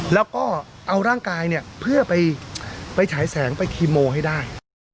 แล้วก็เอาร่างกายเนี่ยเพื่อไปฉายแสงไปคีโมให้ได้